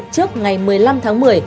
trước ngày một mươi năm tháng một mươi